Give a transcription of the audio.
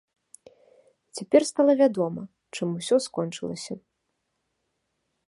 Цяпер стала вядома, чым усё скончылася.